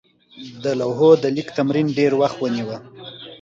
د لوحو د لیک تمرین ډېر وخت ونیوه.